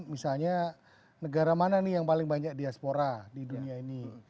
misalnya negara mana nih yang paling banyak diaspora di dunia ini